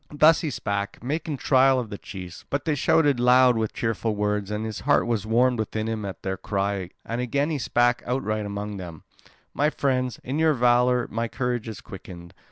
Thus he spake, making trial of the chiefs; but they shouted loud with cheerful words. And his heart was warmed within him at their cry and again he spake outright among them: "My friends, in your valour my courage is quickened.